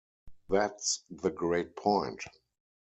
That's the great point.